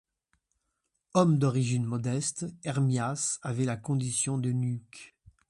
Homme d'origine modeste, Hermias avait la condition d'eunuque.